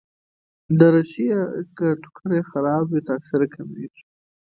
دریشي که ټوکر يې خراب وي، تاثیر کمېږي.